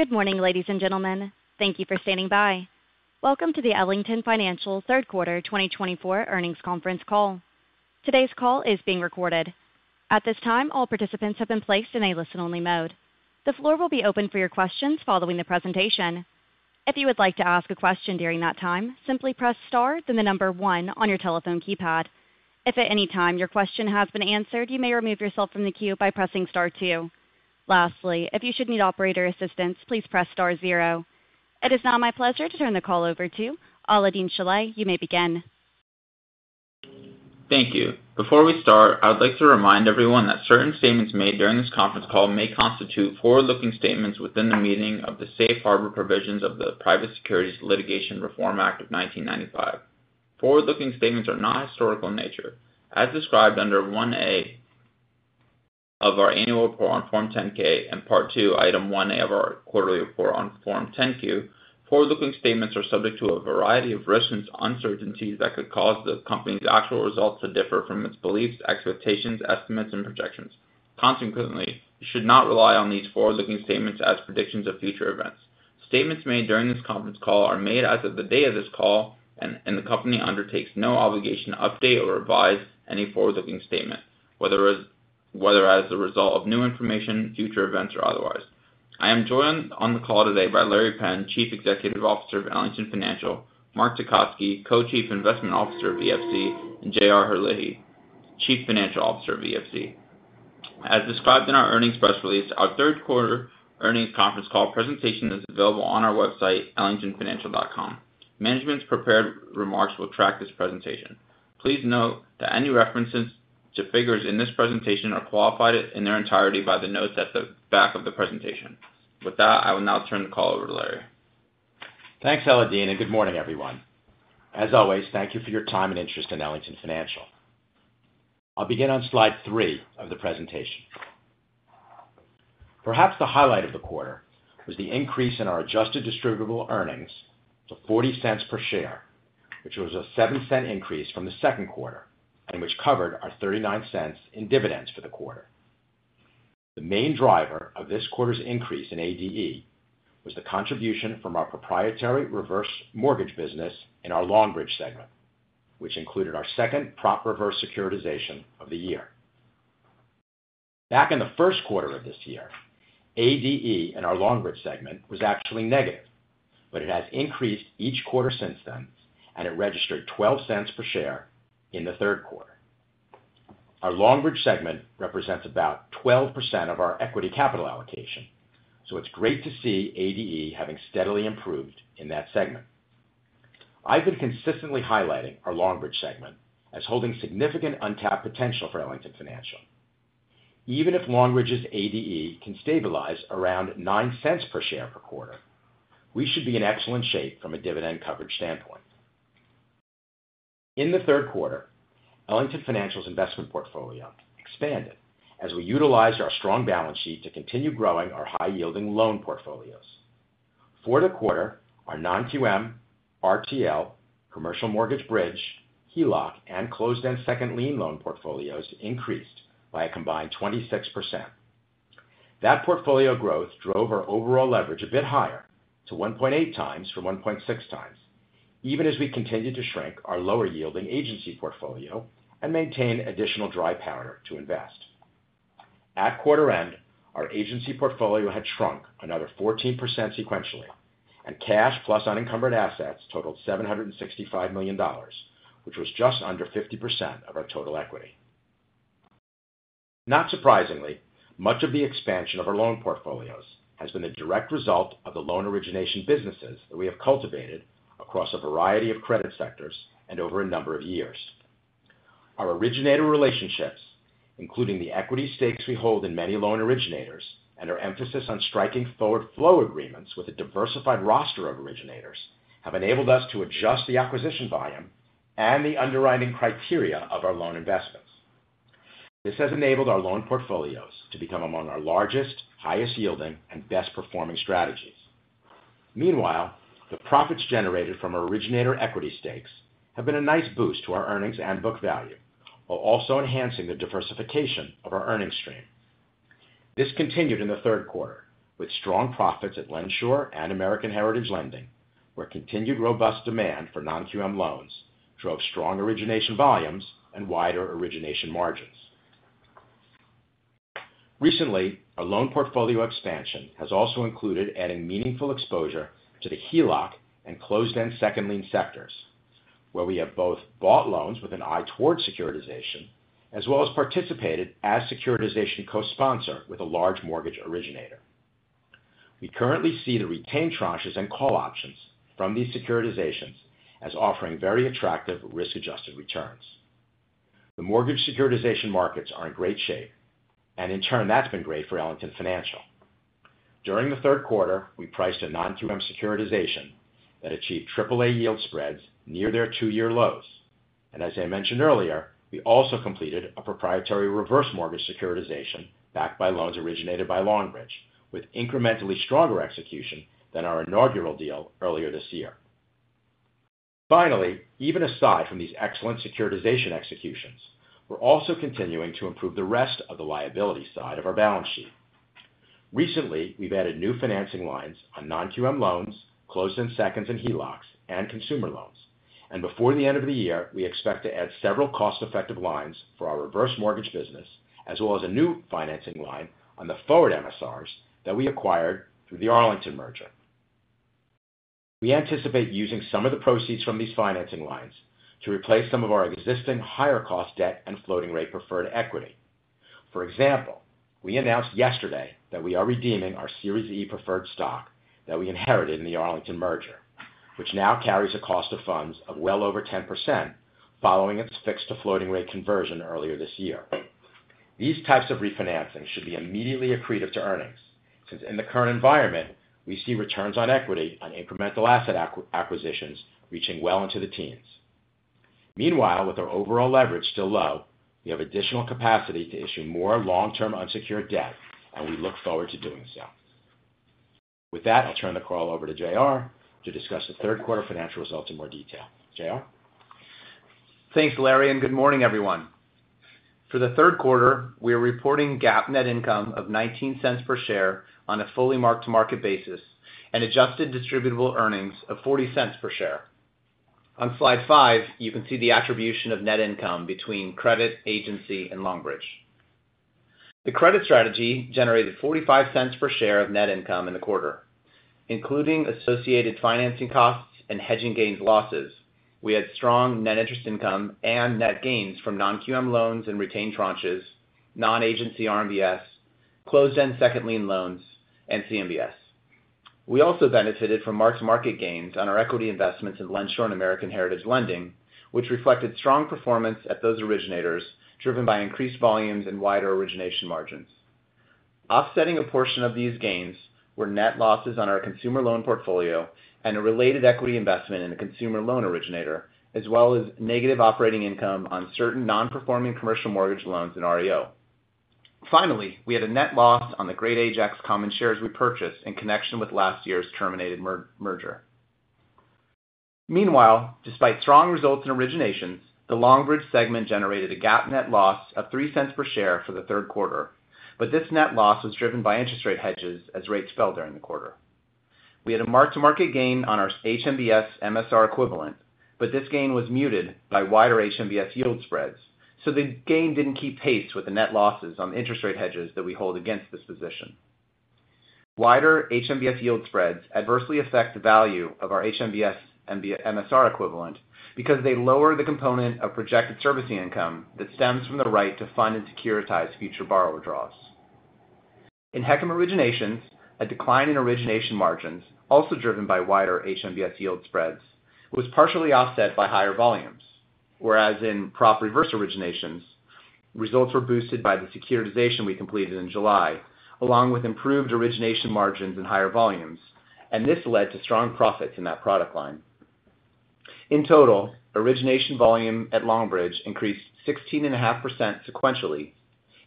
Good morning, ladies and gentlemen. Thank you for standing by. Welcome to the Ellington Financial Third Quarter 2024 Earnings Conference call. Today's call is being recorded. At this time, all participants have been placed in a listen-only mode. The floor will be open for your questions following the presentation. If you would like to ask a question during that time, simply press star, then the number one on your telephone keypad. If at any time your question has been answered, you may remove yourself from the queue by pressing star two. Lastly, if you should need operator assistance, please press star zero. It is now my pleasure to turn the call over to Alaael-Deen Shilleh. You may begin. Thank you. Before we star t, I would like to remind everyone that certain statements made during this conference call may constitute forward-looking statements within the meaning of the safe harbor provisions of the Private Securities Litigation Reform Act of 1995. Forward-looking statements are not historical in nature. As described under Item 1A of our annual report on Form 10-K and Part 2, Item 1A of our quarterly report on Form 10-Q, forward-looking statements are subject to a variety of risks and uncertainties that could cause the company's actual results to differ from its beliefs, expectations, estimates, and projections. Consequently, you should not rely on these forward-looking statements as predictions of future events. Statements made during this conference call are made as of the day of this call, and the company undertakes no obligation to update or revise any forward-looking statement, whether as a result of new information, future events, or otherwise. I am joined on the call today by Larry Penn, Chief Executive Officer of Ellington Financial, Marc Tecotzky, Co-Chief Investment Officer of EFC, and J.R. Herlihy, Chief Financial Officer of EFC. As described in our earnings press release, our Third Quarter Earnings Conference Call presentation is available on our website, ellingtonfinancial.com. Management's prepared remarks will track this presentation. Please note that any references to figures in this presentation are qualified in their entirety by the notes at the back of the presentation. With that, I will now turn the call over to Larry. Thanks, Alaael-Deen, and good morning, everyone. As always, thank you for your time and interest in Ellington Financial. I'll begin on slide three of the presentation. Perhaps the highlight of the quarter was the increase in our adjusted distributable earnings to $0.40 per share, which was a $0.07 increase from the second quarter and which covered our $0.39 in dividends for the quarter. The main driver of this quarter's increase in ADE was the contribution from our proprietary reverse mortgage business in our Longbridge segment, which included our second prop reverse securitization of the year. Back in the first quarter of this year, ADE in our Longbridge segment was actually negative, but it has increased each quarter since then, and it registered $0.12 per share in the third quarter. Our Longbridge segment represents about 12% of our equity capital allocation, so it's great to see ADE having steadily improved in that segment. I've been consistently highlighting our Longbridge segment as holding significant untapped potential for Ellington Financial. Even if Longbridge's ADE can stabilize around $0.09 per share per quarter, we should be in excellent shape from a dividend coverage standpoint. In the third quarter, Ellington Financial's investment portfolio expanded as we utilized our strong balance sheet to continue growing our high-yielding loan portfolios. For the quarter, our non-QM, RTL, commercial mortgage bridge, HELOC, and closed-end second lien loan portfolios increased by a combined 26%. That portfolio growth drove our overall leverage a bit higher to 1.8 times from 1.6 times, even as we continued to shrink our lower-yielding agency portfolio and maintain additional dry powder to invest. At quarter end, our agency portfolio had shrunk another 14% sequentially, and cash plus unencumbered assets totaled $765 million, which was just under 50% of our total equity. Not surprisingly, much of the expansion of our loan portfolios has been a direct result of the loan origination businesses that we have cultivated across a variety of credit sectors and over a number of years. Our originator relationships, including the equity stakes we hold in many loan originators and our emphasis on striking forward flow agreements with a diversified roster of originators, have enabled us to adjust the acquisition volume and the underwriting criteria of our loan investments. This has enabled our loan portfolios to become among our largest, highest-yielding, and best-performing strategies. Meanwhile, the profits generated from our originator equity stakes have been a nice boost to our earnings and book value, while also enhancing the diversification of our earnings stream. This continued in the third quarter with strong profits at LendSure and American Heritage Lending, where continued robust demand for non-QM loans drove strong origination volumes and wider origination margins. Recently, our loan portfolio expansion has also included adding meaningful exposure to the HELOC and closed-end second lien sectors, where we have both bought loans with an eye toward securitization as well as participated as securitization co-sponsor with a large mortgage originator. We currently see the retained tranches and call options from these securitizations as offering very attractive risk-adjusted returns. The mortgage securitization markets are in great shape, and in turn, that's been great for Ellington Financial. During the third quarter, we priced a non-QM securitization that achieved AAA yield spreads near their two-year lows, and as I mentioned earlier, we also completed a proprietary reverse mortgage securitization backed by loans originated by Longbridge, with incrementally stronger execution than our inaugural deal earlier this year. Finally, even aside from these excellent securitization executions, we're also continuing to improve the rest of the liability side of our balance sheet. Recently, we've added new financing lines on non-QM loans, closed-end seconds and HELOCs, and consumer loans, and before the end of the year, we expect to add several cost-effective lines for our reverse mortgage business, as well as a new financing line on the forward MSRs that we acquired through the Arlington merger. We anticipate using some of the proceeds from these financing lines to replace some of our existing higher-cost debt and floating-rate preferred equity. For example, we announced yesterday that we are redeeming our Series E preferred stock that we inherited in the Arlington merger, which now carries a cost of funds of well over 10% following its fixed-to-floating-rate conversion earlier this year. These types of refinancing should be immediately accretive to earnings, since in the current environment, we see returns on equity on incremental asset acquisitions reaching well into the teens. Meanwhile, with our overall leverage still low, we have additional capacity to issue more long-term unsecured debt, and we look forward to doing so. With that, I'll turn the call over to J.R. to discuss the third quarter financial results in more detail. J.R.? Thanks, Larry, and good morning, everyone. For the third quarter, we are reporting GAAP net income of $0.19 per share on a fully marked-to-market basis and adjusted distributable earnings of $0.40 per share. On slide five, you can see the attribution of net income between credit, agency, and Longbridge. The credit strategy generated $0.45 per share of net income in the quarter. Including associated financing costs and hedging gains/losses, we had strong net interest income and net gains from non-QM loans and retained tranches, non-agency RMBS, closed-end second lien loans, and CMBS. We also benefited from mark-to-market gains on our equity investments in LendSure and American Heritage Lending, which reflected strong performance at those originators driven by increased volumes and wider origination margins. Offsetting a portion of these gains were net losses on our consumer loan portfolio and a related equity investment in a consumer loan originator, as well as negative operating income on certain non-performing commercial mortgage loans in REO. Finally, we had a net loss on the Great Ajax common shares we purchased in connection with last year's terminated merger. Meanwhile, despite strong results in originations, the Longbridge segment generated a GAAP net loss of $0.03 per share for the third quarter, but this net loss was driven by interest rate hedges as rates fell during the quarter. We had a mark-to-market gain on our HMBS MSR equivalent, but this gain was muted by wider HMBS yield spreads, so the gain didn't keep pace with the net losses on the interest rate hedges that we hold against this position. Wider HMBS yield spreads adversely affect the value of our HMBS MSR equivalent because they lower the component of projected servicing income that stems from the right to fund and securitize future borrower draws. In HECM originations, a decline in origination margins, also driven by wider HMBS yield spreads, was partially offset by higher volumes, whereas in prop reverse originations, results were boosted by the securitization we completed in July, along with improved origination margins and higher volumes, and this led to strong profits in that product line. In total, origination volume at Longbridge increased 16.5% sequentially,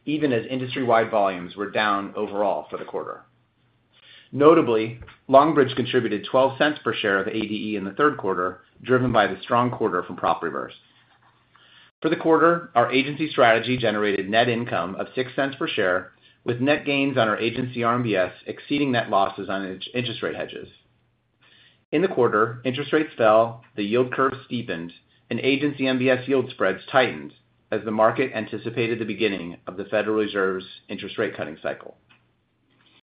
even as industry-wide volumes were down overall for the quarter. Notably, Longbridge contributed $0.12 per share of ADE in the third quarter, driven by the strong quarter from prop reverse. For the quarter, our agency strategy generated net income of $0.06 per share, with net gains on our agency RMBS exceeding net losses on interest rate hedges. In the quarter, interest rates fell, the yield curve steepened, and agency MBS yield spreads tightened as the market anticipated the beginning of the Federal Reserve's interest rate cutting cycle.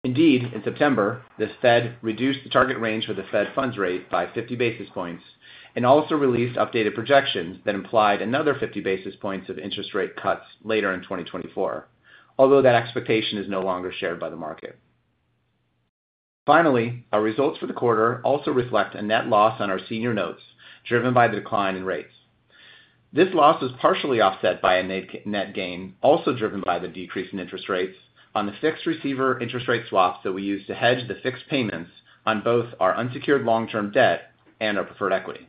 Indeed, in September, the Fed reduced the target range for the Fed funds rate by 50 basis points and also released updated projections that implied another 50 basis points of interest rate cuts later in 2024, although that expectation is no longer shared by the market. Finally, our results for the quarter also reflect a net loss on our senior notes driven by the decline in rates. This loss was partially offset by a net gain also driven by the decrease in interest rates on the fixed receiver interest rate swaps that we used to hedge the fixed payments on both our unsecured long-term debt and our preferred equity.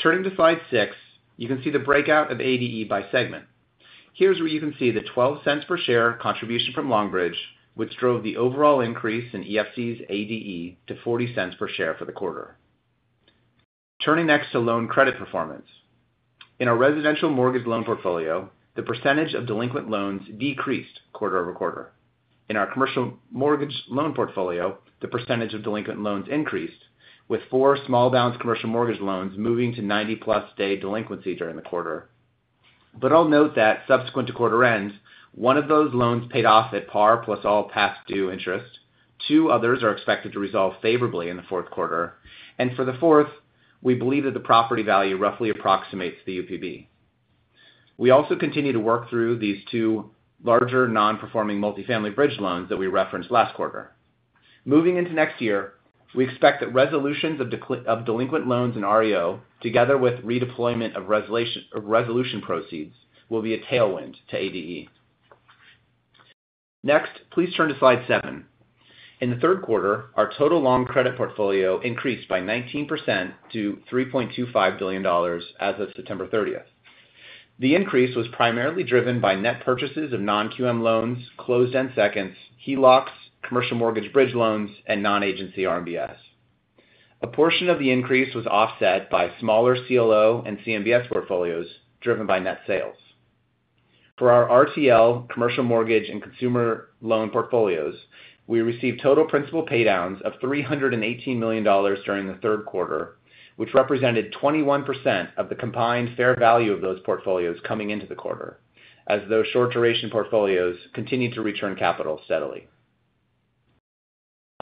Turning to slide six, you can see the breakout of ADE by segment. Here's where you can see the $0.12 per share contribution from Longbridge, which drove the overall increase in EFC's ADE to $0.40 per share for the quarter. Turning next to loan credit performance. In our residential mortgage loan portfolio, the percentage of delinquent loans decreased quarter over quarter. In our commercial mortgage loan portfolio, the percentage of delinquent loans increased, with four small-balance commercial mortgage loans moving to 90-plus day delinquency during the quarter. But I'll note that subsequent to quarter end, one of those loans paid off at par plus all past due interest. Two others are expected to resolve favorably in the fourth quarter. And for the fourth, we believe that the property value roughly approximates the UPB. We also continue to work through these two larger non-performing multifamily bridge loans that we referenced last quarter. Moving into next year, we expect that resolutions of delinquent loans in REO, together with redeployment of resolution proceeds, will be a tailwind to ADE. Next, please turn to slide seven. In the third quarter, our total loan credit portfolio increased by 19% to $3.25 billion as of September 30th. The increase was primarily driven by net purchases of non-QM loans, closed-end seconds, HELOCs, commercial mortgage bridge loans, and non-agency RMBS. A portion of the increase was offset by smaller CLO and CMBS portfolios driven by net sales. For our RTL commercial mortgage and consumer loan portfolios, we received total principal paydowns of $318 million during the third quarter, which represented 21% of the combined fair value of those portfolios coming into the quarter, as those short-duration portfolios continued to return capital steadily.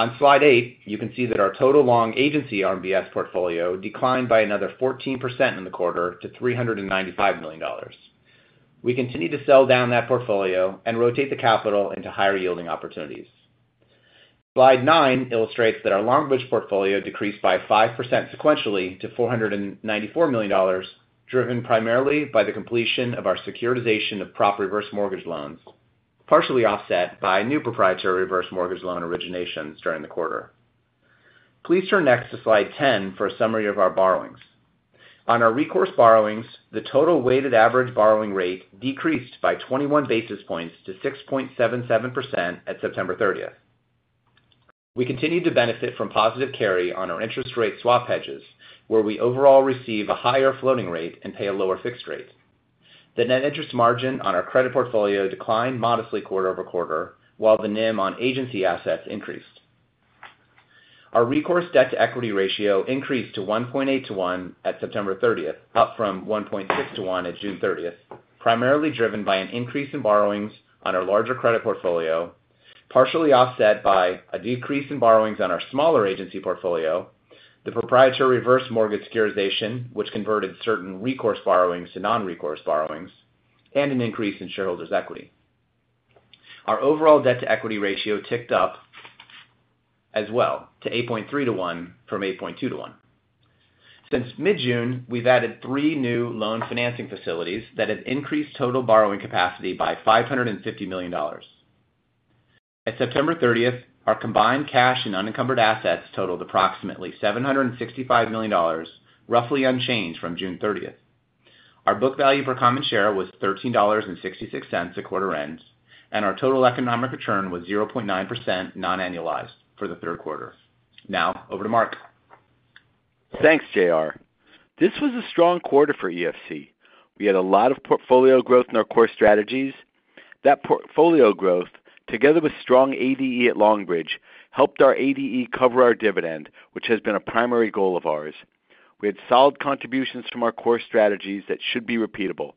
On slide eight, you can see that our total long agency RMBS portfolio declined by another 14% in the quarter to $395 million. We continue to sell down that portfolio and rotate the capital into higher-yielding opportunities. Slide nine illustrates that our Longbridge portfolio decreased by 5% sequentially to $494 million, driven primarily by the completion of our securitization of prop reverse mortgage loans, partially offset by new proprietary reverse mortgage loan originations during the quarter. Please turn next to slide 10 for a summary of our borrowings. On our recourse borrowings, the total weighted average borrowing rate decreased by 21 basis points to 6.77% at September 30th. We continue to benefit from positive carry on our interest rate swap hedges, where we overall receive a higher floating rate and pay a lower fixed rate. The net interest margin on our credit portfolio declined modestly quarter over quarter, while the NIM on agency assets increased. Our recourse debt to equity ratio increased to 1.8 to 1 at September 30th, up from 1.6 to 1 at June 30th, primarily driven by an increase in borrowings on our larger credit portfolio, partially offset by a decrease in borrowings on our smaller agency portfolio, the proprietary reverse mortgage securitization, which converted certain recourse borrowings to non-recourse borrowings, and an increase in shareholders' equity. Our overall debt to equity ratio ticked up as well to 8.3 to 1 from 8.2 to 1. Since mid-June, we've added three new loan financing facilities that have increased total borrowing capacity by $550 million. At September 30th, our combined cash and unencumbered assets totaled approximately $765 million, roughly unchanged from June 30th. Our book value per common share was $13.66 at quarter end, and our total economic return was 0.9% non-annualized for the third quarter. Now, over to Marc. Thanks, J.R. This was a strong quarter for EFC. We had a lot of portfolio growth in our core strategies. That portfolio growth, together with strong ADE at Longbridge, helped our ADE cover our dividend, which has been a primary goal of ours. We had solid contributions from our core strategies that should be repeatable.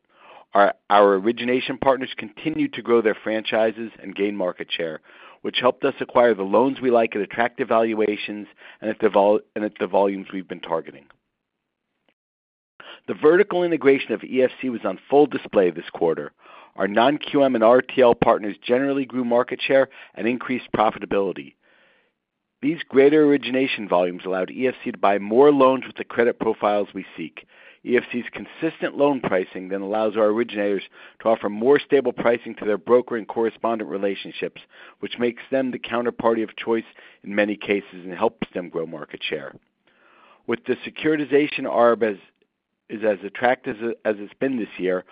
Our origination partners continued to grow their franchises and gain market share, which helped us acquire the loans we like at attractive valuations and at the volumes we've been targeting. The vertical integration of EFC was on full display this quarter. Our non-QM and RTL partners generally grew market share and increased profitability. These greater origination volumes allowed EFC to buy more loans with the credit profiles we seek. EFC's consistent loan pricing then allows our originators to offer more stable pricing to their broker and correspondent relationships, which makes them the counterparty of choice in many cases and helps them grow market share. With the securitization ARB as attractive as it's been this year,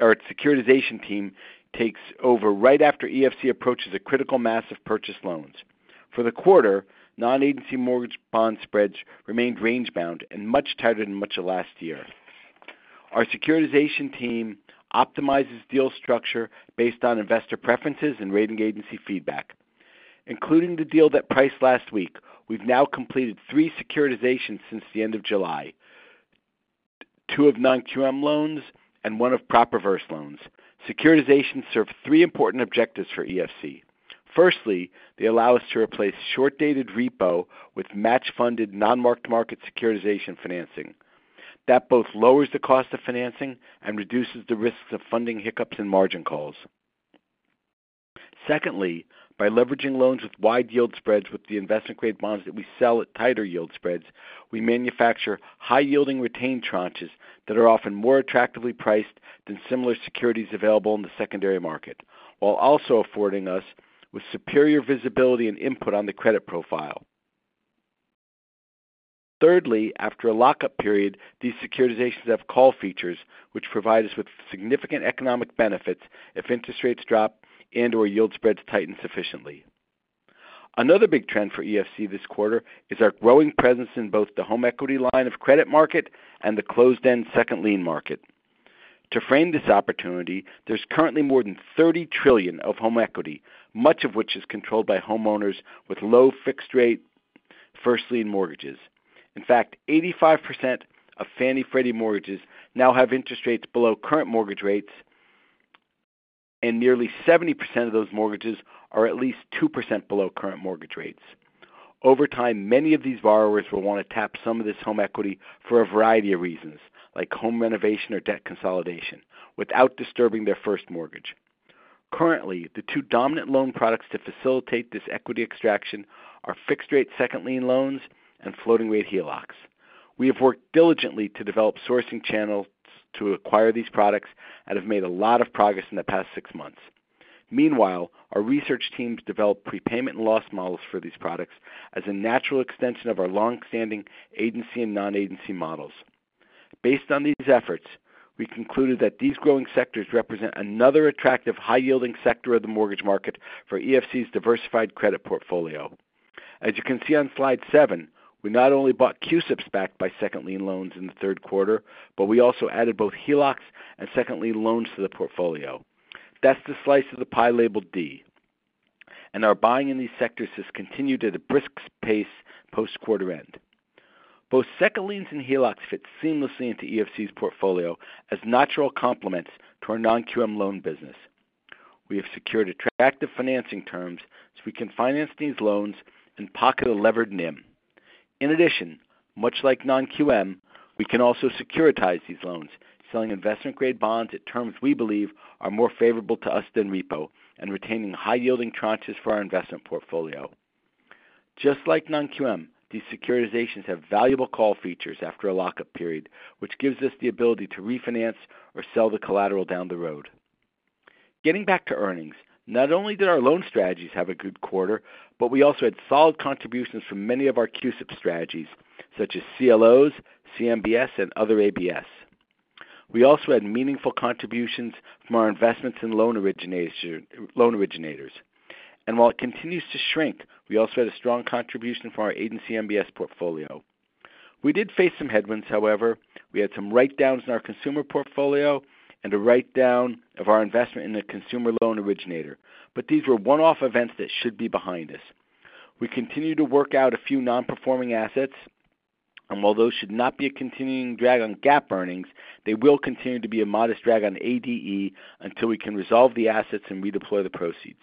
our securitization team takes over right after EFC approaches a critical mass of purchased loans. For the quarter, non-agency mortgage bond spreads remained range-bound and much tighter than much of last year. Our securitization team optimizes deal structure based on investor preferences and rating agency feedback. Including the deal that priced last week, we've now completed three securitizations since the end of July, two of non-QM loans and one of prop reverse loans. Securitizations serve three important objectives for EFC. Firstly, they allow us to replace short-dated repo with match-funded non-mark-to-market securitization financing. That both lowers the cost of financing and reduces the risks of funding hiccups in margin calls. Secondly, by leveraging loans with wide yield spreads with the investment-grade bonds that we sell at tighter yield spreads, we manufacture high-yielding retained tranches that are often more attractively priced than similar securities available in the secondary market, while also affording us with superior visibility and input on the credit profile. Thirdly, after a lockup period, these securitizations have call features, which provide us with significant economic benefits if interest rates drop and/or yield spreads tighten sufficiently. Another big trend for EFC this quarter is our growing presence in both the home equity line of credit market and the closed-end second lien market. To frame this opportunity, there's currently more than $30 trillion of home equity, much of which is controlled by homeowners with low fixed-rate first lien mortgages. In fact, 85% of Fannie Freddie mortgages now have interest rates below current mortgage rates, and nearly 70% of those mortgages are at least 2% below current mortgage rates. Over time, many of these borrowers will want to tap some of this home equity for a variety of reasons, like home renovation or debt consolidation, without disturbing their first mortgage. Currently, the two dominant loan products to facilitate this equity extraction are fixed-rate second lien loans and floating-rate HELOCs. We have worked diligently to develop sourcing channels to acquire these products and have made a lot of progress in the past six months. Meanwhile, our research team has developed prepayment and loss models for these products as a natural extension of our longstanding agency and non-agency models. Based on these efforts, we concluded that these growing sectors represent another attractive high-yielding sector of the mortgage market for EFC's diversified credit portfolio. As you can see on slide seven, we not only bought CUSIPs backed by second lien loans in the third quarter, but we also added both HELOCs and second lien loans to the portfolio. That's the slice of the pie labeled D. And our buying in these sectors has continued at a brisk pace post-quarter end. Both second liens and HELOCs fit seamlessly into EFC's portfolio as natural complements to our non-QM loan business. We have secured attractive financing terms so we can finance these loans and pocket a levered NIM. In addition, much like non-QM, we can also securitize these loans, selling investment-grade bonds at terms we believe are more favorable to us than repo, and retaining high-yielding tranches for our investment portfolio. Just like non-QM, these securitizations have valuable call features after a lockup period, which gives us the ability to refinance or sell the collateral down the road. Getting back to earnings, not only did our loan strategies have a good quarter, but we also had solid contributions from many of our CUSIP strategies, such as CLOs, CMBS, and other ABS. We also had meaningful contributions from our investments in loan originators and while it continues to shrink, we also had a strong contribution from our agency MBS portfolio. We did face some headwinds, however. We had some write-downs in our consumer portfolio and a write-down of our investment in a consumer loan originator but these were one-off events that should be behind us. We continue to work out a few non-performing assets. While those should not be a continuing drag on GAAP earnings, they will continue to be a modest drag on ADE until we can resolve the assets and redeploy the proceeds.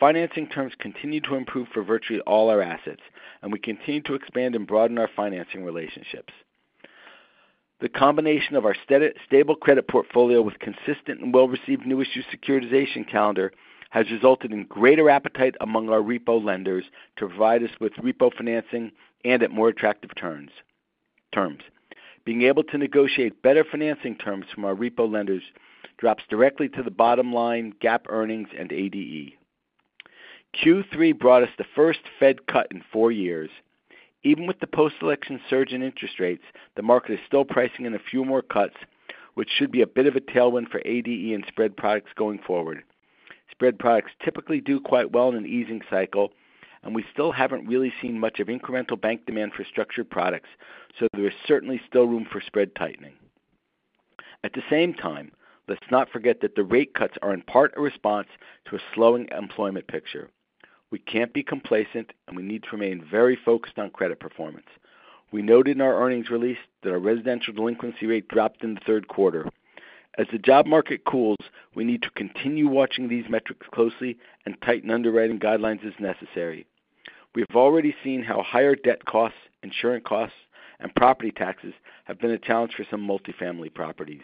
Financing terms continue to improve for virtually all our assets, and we continue to expand and broaden our financing relationships. The combination of our stable credit portfolio with consistent and well-received new-issue securitization calendar has resulted in greater appetite among our repo lenders to provide us with repo financing and at more attractive terms. Being able to negotiate better financing terms from our repo lenders drops directly to the bottom line GAAP earnings and ADE. Q3 brought us the first Fed cut in four years. Even with the post-election surge in interest rates, the market is still pricing in a few more cuts, which should be a bit of a tailwind for ADE and spread products going forward. Spread products typically do quite well in an easing cycle, and we still haven't really seen much of incremental bank demand for structured products, so there is certainly still room for spread tightening. At the same time, let's not forget that the rate cuts are in part a response to a slowing employment picture. We can't be complacent, and we need to remain very focused on credit performance. We noted in our earnings release that our residential delinquency rate dropped in the third quarter. As the job market cools, we need to continue watching these metrics closely and tighten underwriting guidelines as necessary. We have already seen how higher debt costs, insurance costs, and property taxes have been a challenge for some multifamily properties.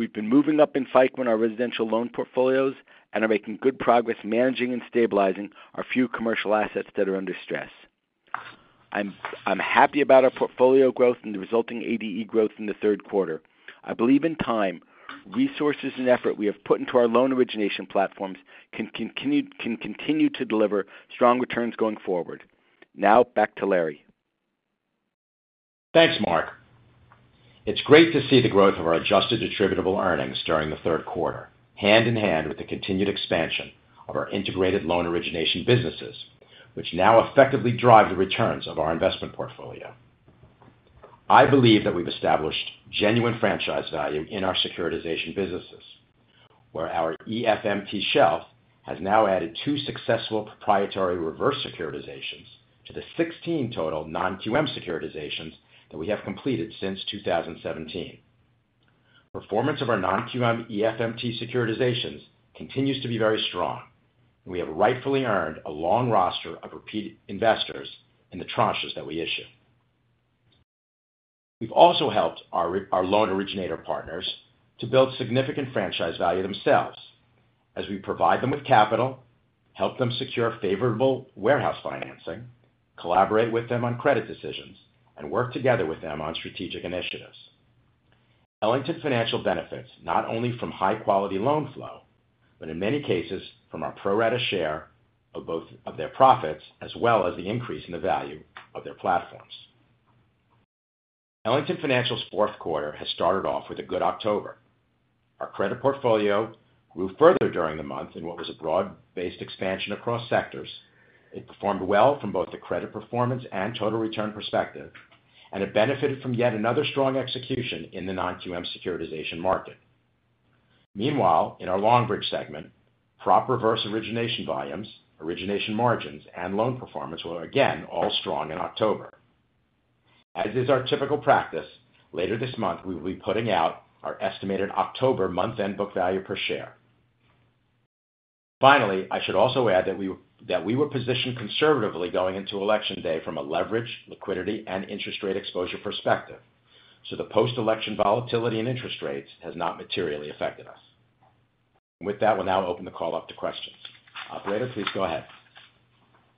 We've been moving up in FICO in our residential loan portfolios and are making good progress managing and stabilizing our few commercial assets that are under stress. I'm happy about our portfolio growth and the resulting ADE growth in the third quarter. I believe in time, resources and effort we have put into our loan origination platforms can continue to deliver strong returns going forward. Now, back to Larry. Thanks, Marc. It's great to see the growth of our adjusted distributable earnings during the third quarter, hand in hand with the continued expansion of our integrated loan origination businesses, which now effectively drive the returns of our investment portfolio. I believe that we've established genuine franchise value in our securitization businesses, where our EFMT shelf has now added two successful proprietary reverse securitizations to the 16 total non-QM securitizations that we have completed since 2017. Performance of our non-QM EFMT securitizations continues to be very strong, and we have rightfully earned a long roster of repeat investors in the tranches that we issue. We've also helped our loan originator partners to build significant franchise value themselves as we provide them with capital, help them secure favorable warehouse financing, collaborate with them on credit decisions, and work together with them on strategic initiatives. Ellington Financial benefits not only from high-quality loan flow, but in many cases from our pro rata share of both of their profits as well as the increase in the value of their platforms. Ellington Financial's fourth quarter has star ted off with a good October. Our credit portfolio grew further during the month in what was a broad-based expansion across sectors. It performed well from both the credit performance and total return perspective, and it benefited from yet another strong execution in the non-QM securitization market. Meanwhile, in our Longbridge segment, prop reverse origination volumes, origination margins, and loan performance were again all strong in October. As is our typical practice, later this month, we will be putting out our estimated October month-end book value per share. Finally, I should also add that we were positioned conservatively going into Election Day from a leverage, liquidity, and interest rate exposure perspective, so the post-election volatility in interest rates has not materially affected us. With that, we'll now open the call up to questions. Operator, please go ahead.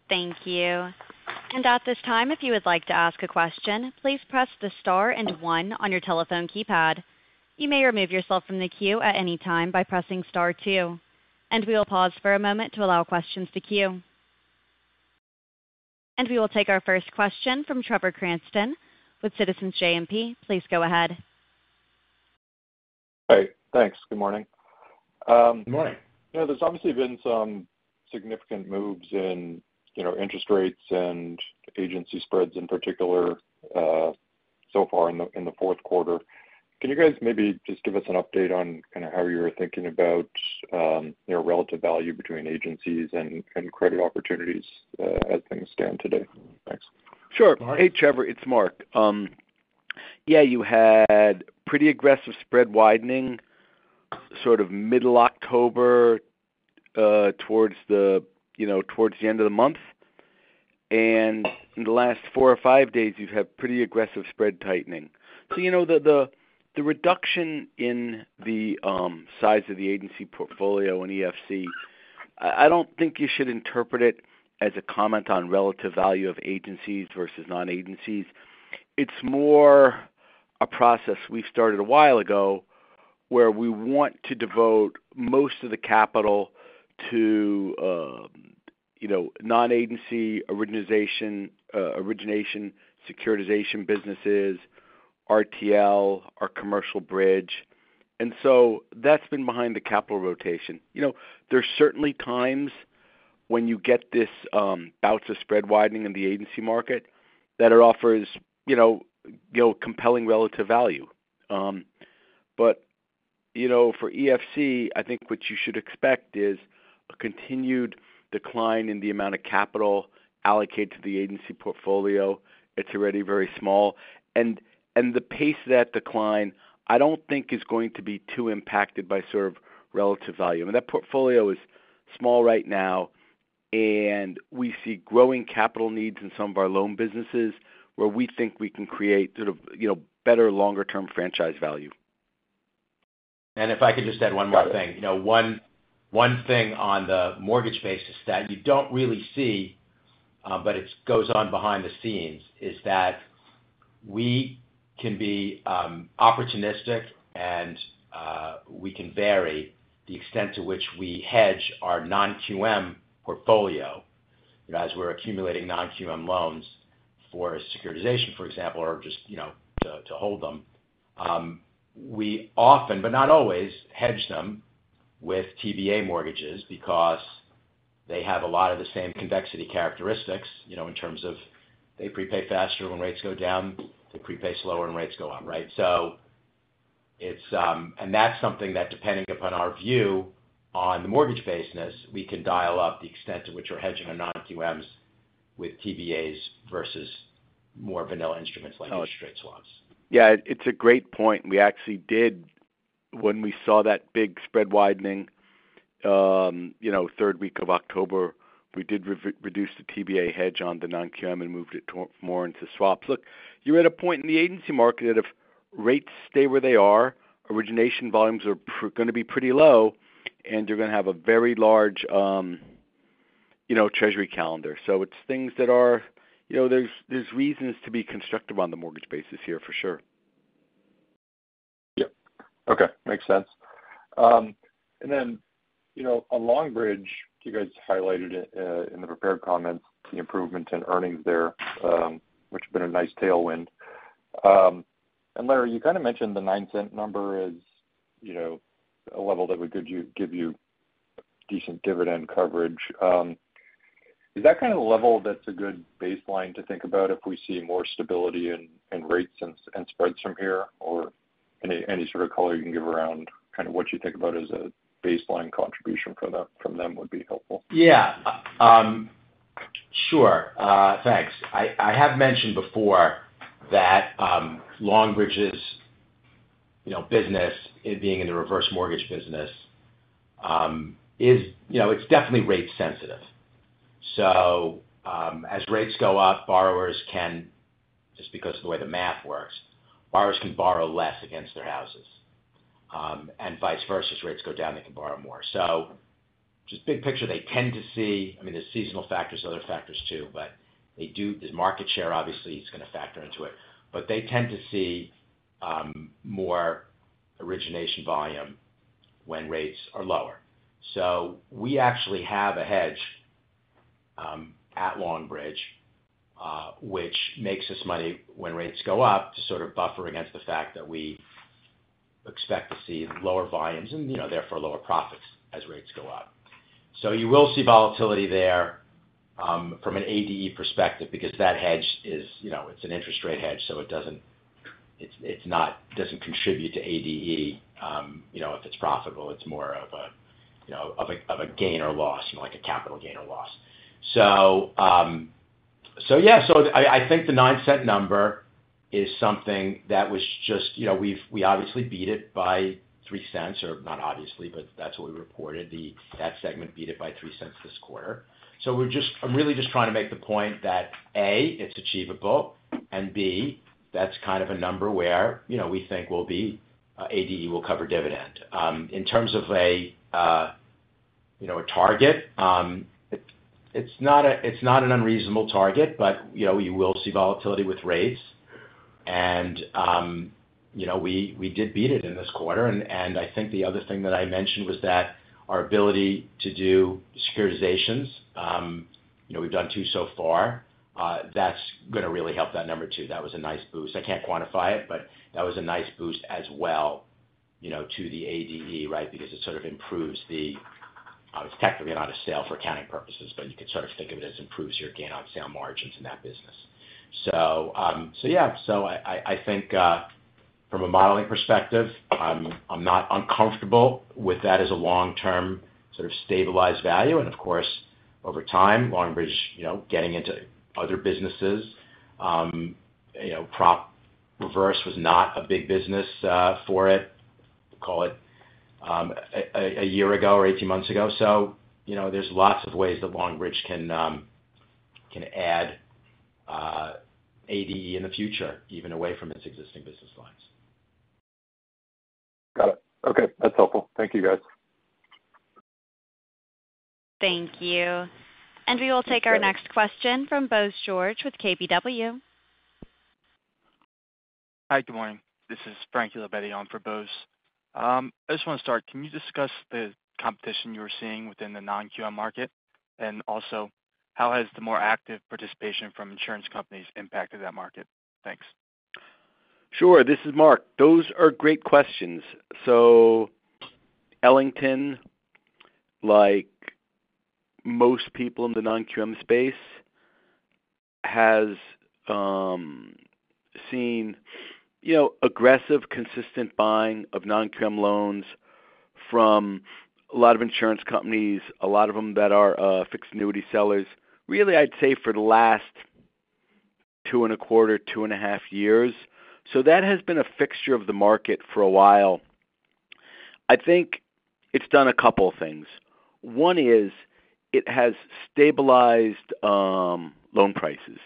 Thank you. And at this time, if you would like to ask a question, please press the star and one on your telephone keypad. You may remove yourself from the queue at any time by pressing star two. And we will pause for a moment to allow questions to queue. And we will take our first question from Trevor Cranston with Citizens JMP. Please go ahead. Hey, thanks. Good morning. Good morning. There's obviously been some significant moves in interest rates and agency spreads in particular so far in the fourth quarter. Can you guys maybe just give us an update on kind of how you're thinking about relative value between agencies and credit opportunities as things stand today? Thanks. Sure. Hey, Trevor. It's Marc. Yeah, you had pretty aggressive spread widening sort of middle October towards the end of the month. And in the last four or five days, you've had pretty aggressive spread tightening. So the reduction in the size of the agency portfolio and EFC, I don't think you should interpret it as a comment on relative value of agencies versus non-agencies. It's more a process we've star ted a while ago where we want to devote most of the capital to non-agency origination, securitization businesses, RTL, our commercial bridge. And so that's been behind the capital rotation. There's certainly times when you get this bout of spread widening in the agency market that it offers compelling relative value. But for EFC, I think what you should expect is a continued decline in the amount of capital allocated to the agency portfolio. It's already very small. And the pace of that decline, I don't think, is going to be too impacted by sort of relative value. I mean, that portfolio is small right now, and we see growing capital needs in some of our loan businesses where we think we can create sort of better longer-term franchise value. And if I could just add one more thing. One thing on the mortgage basis that you don't really see, but it goes on behind the scenes, is that we can be opportunistic, and we can vary the extent to which we hedge our non-QM portfolio as we're accumulating non-QM loans for securitization, for example, or just to hold them. We often, but not always, hedge them with TBA mortgages because they have a lot of the same convexity characteristics in terms of they prepay faster when rates go down, they prepay slower when rates go up, right? And that's something that, depending upon our view on the mortgage basis, we can dial up the extent to which we're hedging our non-QMs with TBAs versus more vanilla instruments like interest rate swaps. Yeah, it's a great point. We actually did, when we saw that big spread widening, third week of October, we did reduce the TBA hedge on the non-QM and moved it more into swaps. Look, you're at a point in the agency market that if rates stay where they are, origination volumes are going to be pretty low, and you're going to have a very large treasury calendar. So it's things that are, there's reasons to be constructive on the mortgage basis here, for sure. Yep. Okay. Makes sense. And then on Longbridge, you guys highlighted in the prepared comments the improvement in earnings there, which has been a nice tailwind. And Larry, you kind of mentioned the $0.09 number is a level that would give you decent dividend coverage. Is that kind of the level that's a good baseline to think about if we see more stability in rates and spreads from here? Or any sort of color you can give around kind of what you think about as a baseline contribution from them would be helpful. Yeah. Sure. Thanks. I have mentioned before that Longbridge's business, being in the reverse mortgage business, it's definitely rate-sensitive. So as rates go up, borrowers can, just because of the way the math works, borrowers can borrow less against their houses, and vice versa, as rates go down, they can borrow more. So just big picture, they tend to see, I mean, there's seasonal factors, other factors too, but the market share, obviously, is going to factor into it, but they tend to see more origination volume when rates are lower. So we actually have a hedge at Longbridge, which makes us money when rates go up to sort of buffer against the fact that we expect to see lower volumes and therefore lower profits as rates go up. So you will see volatility there from an ADE perspective because that hedge, it's an interest rate hedge, so it doesn't contribute to ADE if it's profitable. It's more of a gain or loss, like a capital gain or loss. So yeah, so I think the $0.09 number is something that was just we obviously beat it by $0.03, or not obviously, but that's what we reported. That segment beat it by $0.03 this quarter. So I'm really just trying to make the point that, A, it's achievable, and B, that's kind of a number where we think ADE will cover dividend. In terms of a target, it's not an unreasonable target, but you will see volatility with rates. And we did beat it in this quarter. And I think the other thing that I mentioned was that our ability to do securitizations. We've done two so far. That's going to really help that number too. That was a nice boost. I can't quantify it, but that was a nice boost as well to the ADE, right, because it sort of improves. It's technically not a sale for accounting purposes, but you could sort of think of it as improves your gain on sale margins in that business. So yeah, so I think from a modeling perspective, I'm not uncomfortable with that as a long-term sort of stabilized value. And of course, over time, Longbridge getting into other businesses, prop reverse was not a big business for it, call it, a year ago or 18 months ago. So there's lots of ways that Longbridge can add ADE in the future, even away from its existing business lines. Got it. Okay. That's helpful. Thank you, guys. Thank you. And we will take our next question from Bose George with KBW. Hi, good morning. This is Frank Hill, standing in for Bose. I just want to star t. Can you discuss the competition you're seeing within the non-QM market? And also, how has the more active participation from insurance companies impacted that market? Thanks. Sure. This is Marc. Those are great questions. So Ellington, like most people in the non-QM space, has seen aggressive, consistent buying of non-QM loans from a lot of insurance companies, a lot of them that are fixed annuity sellers. Really, I'd say for the last two and a quarter, two and a half years. So that has been a fixture of the market for a while. I think it's done a couple of things. One is it has stabilized loan prices.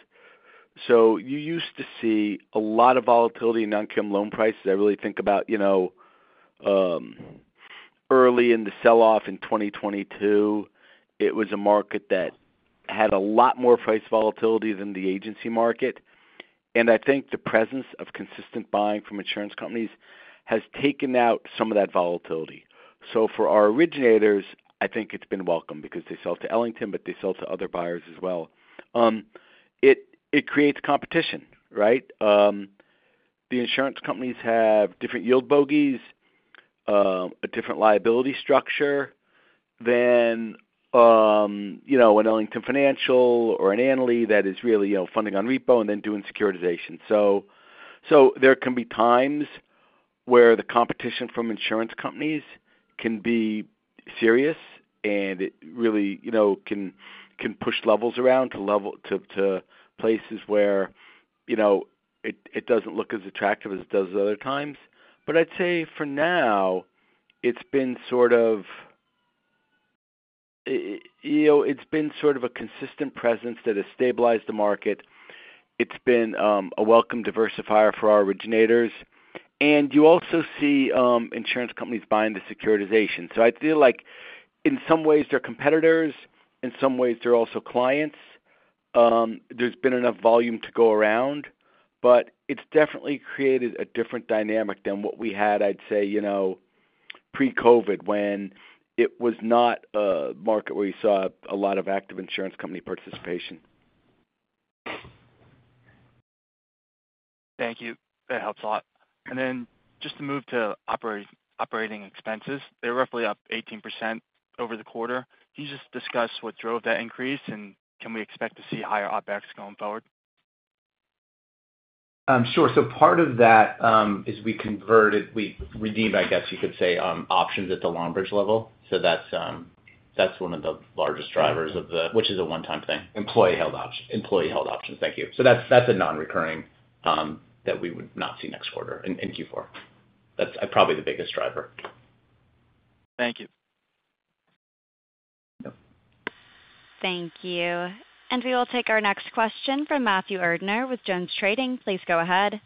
So you used to see a lot of volatility in non-QM loan prices. I really think about early in the selloff in 2022, it was a market that had a lot more price volatility than the agency market. And I think the presence of consistent buying from insurance companies has taken out some of that volatility. So for our originators, I think it's been welcome because they sell to Ellington, but they sell to other buyers as well. It creates competition, right? The insurance companies have different yield bogeys, a different liability structure than an Ellington Financial or an Annaly that is really funding on repo and then doing securitization. So there can be times where the competition from insurance companies can be serious and it really can push levels around to places where it doesn't look as attractive as it does other times. But I'd say for now, it's been sort of a consistent presence that has stabilized the market. It's been a welcome diversifier for our originators. And you also see insurance companies buying the securitization. So I feel like in some ways, they're competitors. In some ways, they're also clients. There's been enough volume to go around, but it's definitely created a different dynamic than what we had, I'd say, pre-COVID when it was not a market where you saw a lot of active insurance company participation. Thank you. That helps a lot. And then just to move to operating expenses, they're roughly up 18% over the quarter. Can you just discuss what drove that increase and can we expect to see higher OpEx going forward? Sure. So part of that is we converted, we redeemed, I guess you could say, options at the Longbridge level. So that's one of the largest drivers of the which is a one-time thing. Employee-held options. Thank you. So that's a non-recurring that we would not see next quarter in Q4. That's probably the biggest driver. Thank you. Thank you. And we will take our next question from Matthew Erdner with Jones Trading. Please go ahead.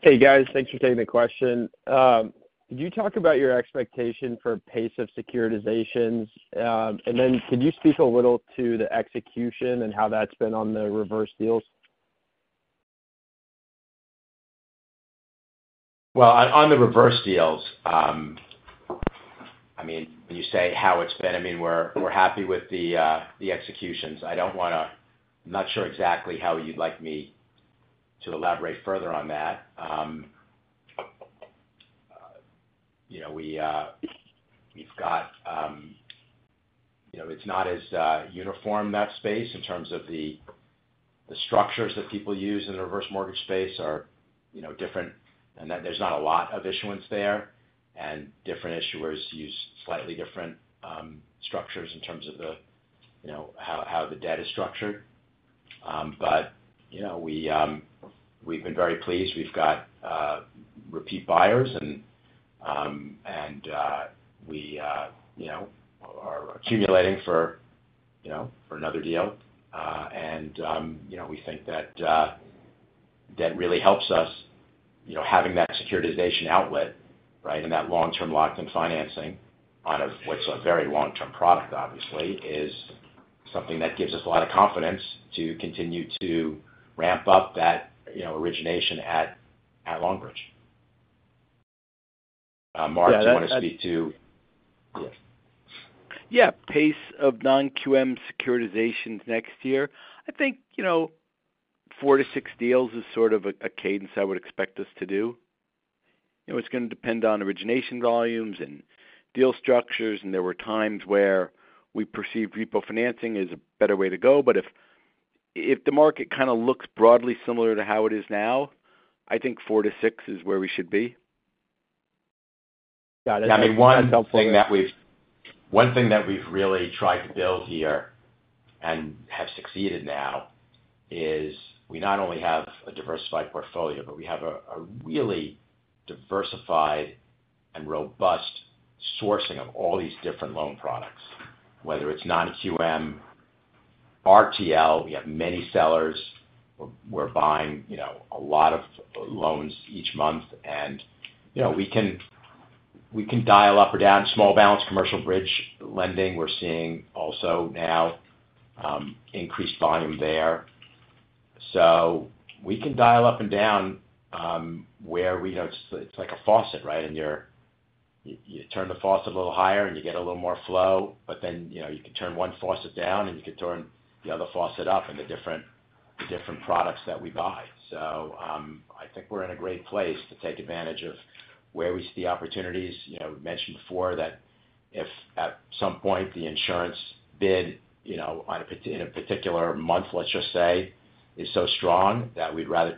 Hey, guys. Thanks for taking the question. Could you talk about your expectation for pace of securitizations? And then could you speak a little to the execution and how that's been on the reverse deals? On the reverse deals, I mean, when you say how it's been, I mean, we're happy with the executions. I'm not sure exactly how you'd like me to elaborate further on that. It's not as uniform, that space, in terms of the structures that people use in the reverse mortgage space are different. And there's not a lot of issuance there. And different issuers use slightly different structures in terms of how the debt is structured. But we've been very pleased. We've got repeat buyers, and we are accumulating for another deal. And we think that that really helps us having that securitization outlet, right, and that long-term locked-in financing of what's a very long-term product, obviously, is something that gives us a lot of confidence to continue to ramp up that origination at Longbridge. Marc, do you want to speak to? Yeah. Pace of non-QM securitizations next year. I think four to six deals is sort of a cadence I would expect us to do. It's going to depend on origination volumes and deal structures. And there were times where we perceived repo financing is a better way to go. But if the market kind of looks broadly similar to how it is now, I think four to six is where we should be. Yeah. I mean, one thing that we've really tried to build here and have succeeded now is we not only have a diversified portfolio, but we have a really diversified and robust sourcing of all these different loan products, whether it's non-QM, RTL. We have many sellers. We're buying a lot of loans each month. And we can dial up or down small balance commercial bridge lending. We're seeing also now increased volume there. So we can dial up and down where it's like a faucet, right? And you turn the faucet a little higher, and you get a little more flow. But then you can turn one faucet down, and you can turn the other faucet up in the different products that we buy. So I think we're in a great place to take advantage of where we see opportunities. We mentioned before that if at some point the insurance bid in a particular month, let's just say, is so strong that we'd rather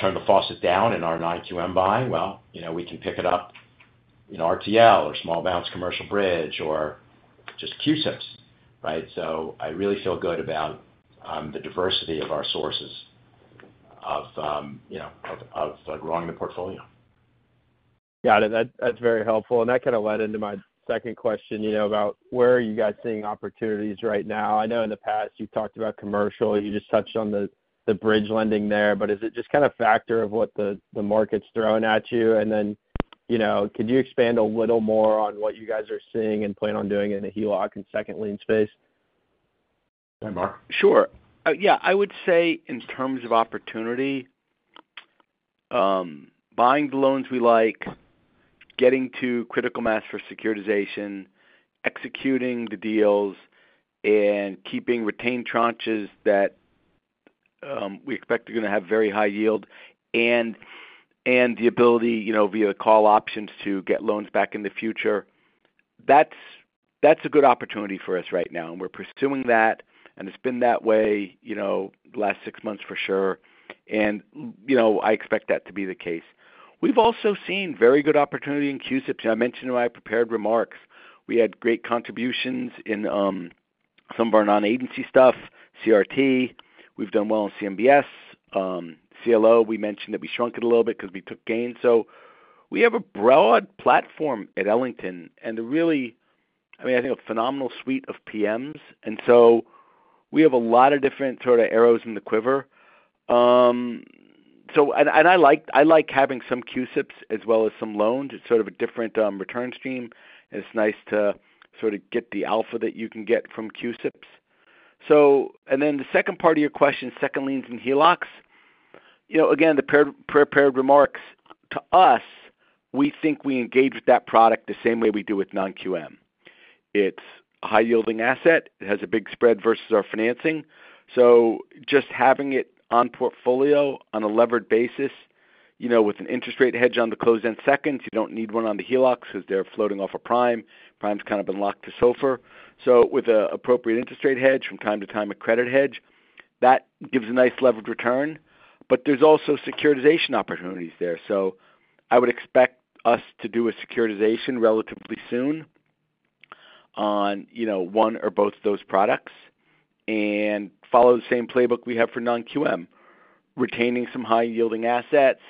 turn the faucet down in our non-QM buy. Well, we can pick it up in RTL or small balance commercial bridge or just CUSIPs, right? So I really feel good about the diversity of our sources of growing the portfolio. Got it. That's very helpful. And that kind of led into my second question about where are you guys seeing opportunities right now? I know in the past you've talked about commercial. You just touched on the bridge lending there. But is it just kind of a factor of what the market's throwing at you? And then could you expand a little more on what you guys are seeing and plan on doing in the HELOC and second lien space? Hi, Marc. Sure. Yeah. I would say in terms of opportunity, buying the loans we like, getting to critical mass for securitization, executing the deals, and keeping retained tranches that we expect are going to have very high yield, and the ability via the call options to get loans back in the future, that's a good opportunity for us right now. And we're pursuing that. And it's been that way the last six months for sure. And I expect that to be the case. We've also seen very good opportunity in CUSIPs. I mentioned in my prepared remarks, we had great contributions in some of our non-agency stuff, CRT. We've done well in CMBS. CLO, we mentioned that we shrunk it a little bit because we took gains. So we have a broad platform at Ellington. And I mean, I think a phenomenal suite of PMs. We have a lot of different sort of arrows in the quiver. I like having some CUSIPs as well as some loans. It's sort of a different return stream. It's nice to sort of get the alpha that you can get from CUSIPs. Then the second part of your question, second liens and HELOCs. Again, the prepared remarks, to us, we think we engage with that product the same way we do with non-QM. It's a high-yielding asset. It has a big spread versus our financing. So just having it on portfolio on a levered basis with an interest rate hedge on the closed-end seconds, you don't need one on the HELOCs because they're floating off a prime. Prime's kind of been locked to SOFR. So with an appropriate interest rate hedge from time to time, a credit hedge, that gives a nice levered return. But there's also securitization opportunities there. So I would expect us to do a securitization relatively soon on one or both of those products and follow the same playbook we have for non-QM, retaining some high-yielding assets,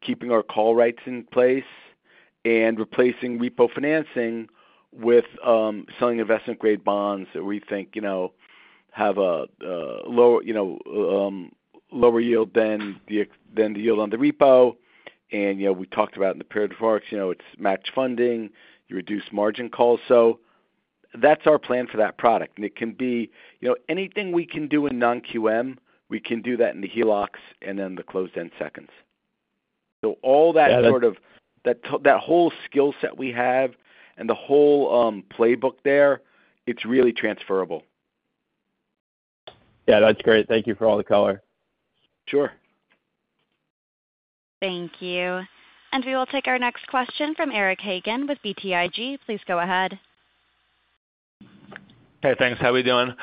keeping our call rights in place, and replacing repo financing with selling investment-grade bonds that we think have a lower yield than the yield on the repo. And we talked about in the prepared remarks, it's match funding, you reduce margin calls. So that's our plan for that product. And it can be anything we can do in non-QM, we can do that in the HELOCs and then the closed-end seconds. So all that sort of that whole skill set we have and the whole playbook there, it's really transferable. Yeah. That's great. Thank you for all the color. Sure. Thank you. And we will take our next question from Eric Hagen with BTIG. Please go ahead. Hey, thanks. How are we doing?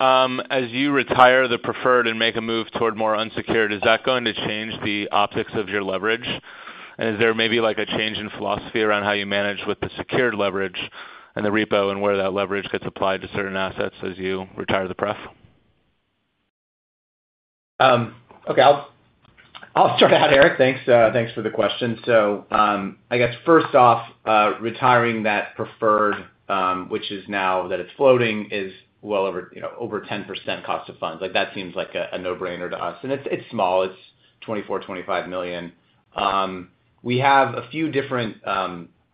As you retire the preferred and make a move toward more unsecured, is that going to change the optics of your leverage? And is there maybe a change in philosophy around how you manage with the secured leverage and the repo and where that leverage gets applied to certain assets as you retire the prep? Okay. I'll star t out, Eric. Thanks for the question. So I guess first off, retiring that preferred, which is now that it's floating, is well over 10% cost of funds. That seems like a no-brainer to us, and it's small. It's $24-$25 million. We have a few different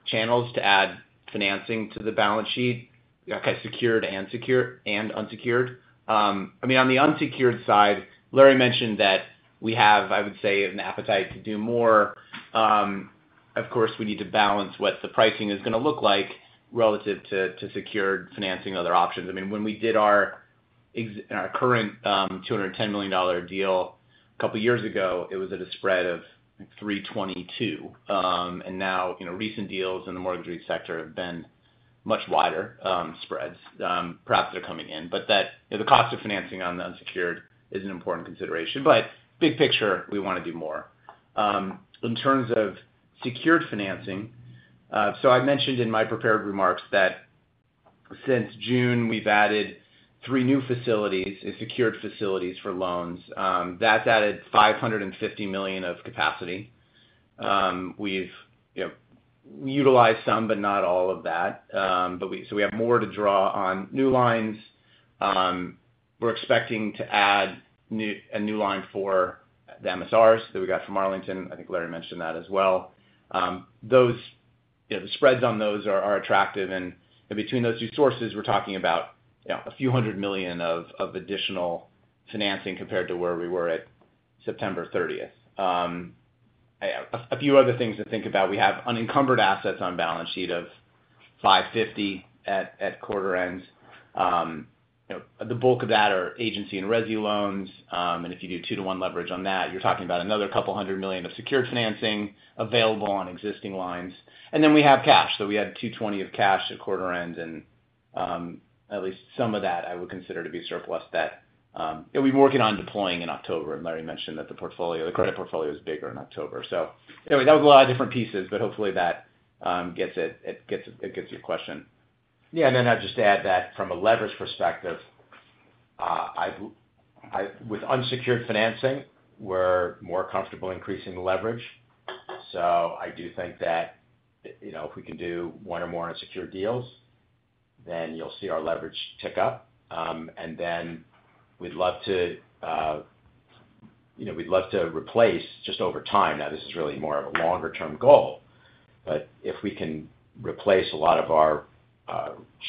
channels to add financing to the balance sheet, kind of secured and unsecured. I mean, on the unsecured side, Larry mentioned that we have, I would say, an appetite to do more. Of course, we need to balance what the pricing is going to look like relative to secured financing other options. I mean, when we did our current $210 million deal a couple of years ago, it was at a spread of 322. And now recent deals in the mortgage REIT sector have been much wider spreads. Perhaps they're coming in. But the cost of financing on the unsecured is an important consideration. But big picture, we want to do more. In terms of secured financing, so I mentioned in my prepared remarks that since June, we've added three new facilities, secured facilities for loans. That's added $550 million of capacity. We've utilized some, but not all of that. So we have more to draw on new lines. We're expecting to add a new line for the MSRs that we got from Arlington. I think Larry mentioned that as well. The spreads on those are attractive. And between those two sources, we're talking about a few hundred million of additional financing compared to where we were at September 30th. A few other things to think about. We have unencumbered assets on balance sheet of $550 million at quarter end. The bulk of that are agency and RTL loans. If you do two-to-one leverage on that, you're talking about another couple hundred million of secured financing available on existing lines. Then we have cash. So we had $220 million of cash at quarter end. And at least some of that I would consider to be surplus that we've been working on deploying in October. And Larry mentioned that the credit portfolio is bigger in October. So anyway, that was a lot of different pieces, but hopefully that gets at your question. Yeah. Then I'd just add that from a leverage perspective, with unsecured financing, we're more comfortable increasing leverage. So I do think that if we can do one or more unsecured deals, then you'll see our leverage tick up. And then we'd love to replace just over time. Now, this is really more of a longer-term goal. But if we can replace a lot of our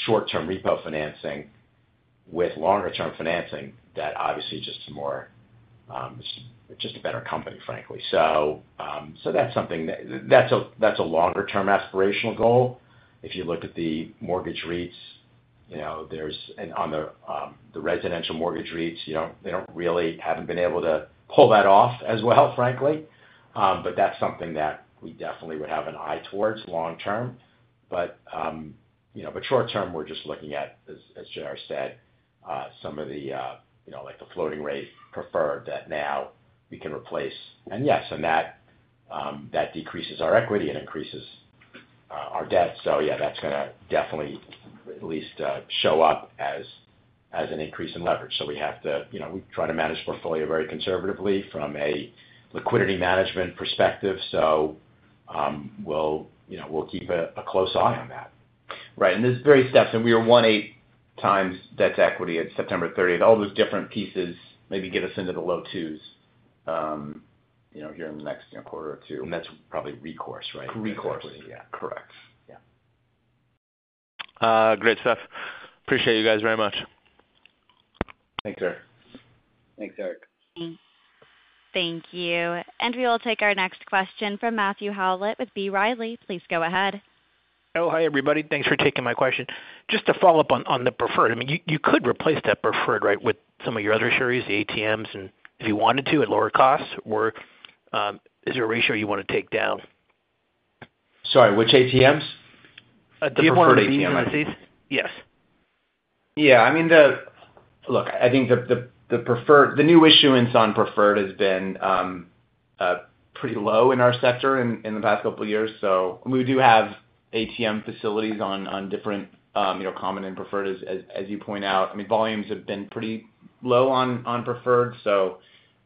short-term repo financing with longer-term financing, that obviously just more just a better company, frankly. So that's something that's a longer-term aspirational goal. If you look at the mortgage REITs, there's on the residential mortgage REITs, they don't really haven't been able to pull that off as well, frankly. But that's something that we definitely would have an eye towards long term. But short term, we're just looking at, as J.R. said, some of the floating rate preferred that now we can replace. And yes, and that decreases our equity and increases our debt. So yeah, that's going to definitely at least show up as an increase in leverage. So we have to we try to manage portfolio very conservatively from a liquidity management perspective. So we'll keep a close eye on that. Right. And there's various steps. And we were 1.8 times debt to equity at September 30th. All those different pieces maybe get us into the low twos here in the next quarter or two. And that's probably recourse, right? Recourse. Correct. Yeah. Great stuff. Appreciate you guys very much. Thanks, Eric. Thanks, Eric. Thank you. And we will take our next question from Matthew Howlett with B. Riley. Please go ahead. Oh, hi everybody. Thanks for taking my question. Just to follow up on the preferred, I mean, you could replace that preferred, right, with some of your other sources, the ATMs, and if you wanted to at lower cost, or is there a reason you want to take down? Sorry, which ATMs? The preferred ATMs. The preferred ATMs. Yes. Yeah. I mean, look, I think the preferred the new issuance on preferred has been pretty low in our sector in the past couple of years. So we do have ATM facilities on different common and preferred, as you point out. I mean, volumes have been pretty low on preferred. So